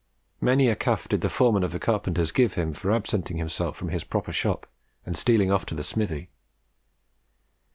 Many a cuff did the foreman of carpenters give him for absenting himself from his proper shop and stealing off to the smithy.